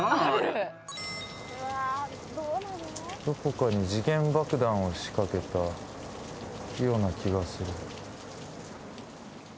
「どこかに時限爆弾を仕掛けたような気がする」